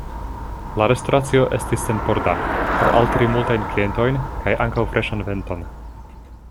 La restoracio estis senporda, por altiri multajn klientojn kaj ankaŭ freŝan venton.